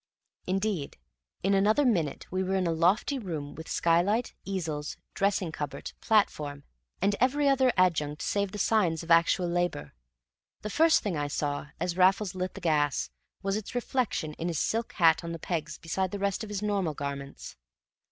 Indeed, in another minute we were in a lofty room with skylight, easels, dressing cupboard, platform, and every other adjunct save the signs of actual labor. The first thing I saw, as Raffles lit the gas, was its reflection in his silk hat on the pegs beside the rest of his normal garments.